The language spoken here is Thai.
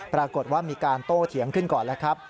ปรากฏว่ามีการโต้เถียงขึ้นก่อนแล้วครับ